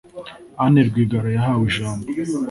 Anne Rwigara yahawe ijambo